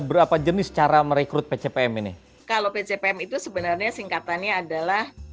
berapa jenis cara merekrut pcpm ini kalau pcpm itu sebenarnya singkatannya adalah